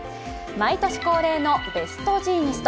毎年恒例のベストジーニスト。